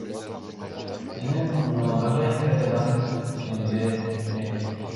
Жеңил унаадагы төрт адам жеринде мерт кеткен.